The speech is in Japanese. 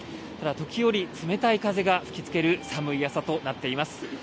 ただ、時折、冷たい風が吹きつける寒い朝となっています。